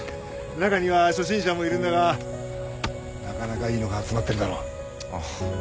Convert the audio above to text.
中には初心者もいるんだがなかなかいいのが集まってるだろ。